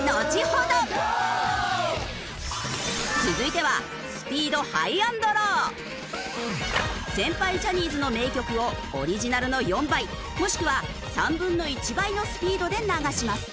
続いては先輩ジャニーズの名曲をオリジナルの４倍もしくは３分の１倍のスピードで流します。